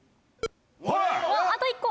あと１個！